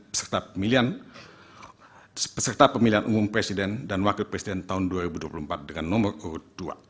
beserta pemilihan peserta pemilihan umum presiden dan wakil presiden tahun dua ribu dua puluh empat dengan nomor urut dua